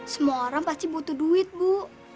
semua orang pasti butuh duit bu